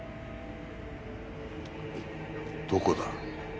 どこだ？